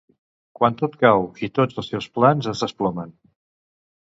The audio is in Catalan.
Quan tot cau i tots els seus plans es desplomen.